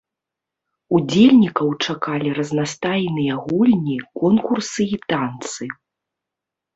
Удзельнікаў чакалі разнастайныя гульні, конкурсы і танцы.